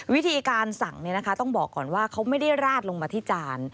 วิธีการสั่งต้องบอกก่อนว่าเขาไม่ได้ราดลงมาที่จาน